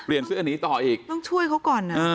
เปลี่ยนเสื้อหนีต่ออีก